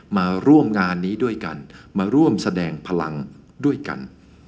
มาร่วมงานนี้ด้วยกันมาร่วมแสดงพลังด้วยกัน